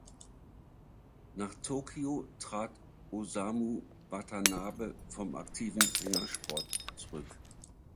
Nach Tokio trat Osamu Watanabe vom aktiven Ringersport zurück.